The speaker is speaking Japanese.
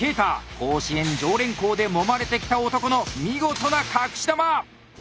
甲子園常連校でもまれてきた男の見事な隠し球！